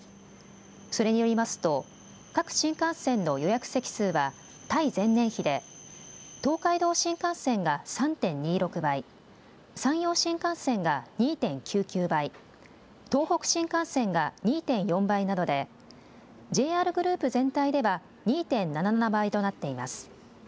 それによりますと各新幹線の予約席数は対前年比で東海道新幹線が３．２６倍、山陽新幹線が２．９９倍、東北新幹線が２．４倍などでＪＲグループ全体では２．７７倍となっています。